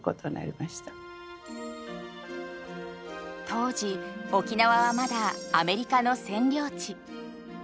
当時沖縄はまだアメリカの占領地。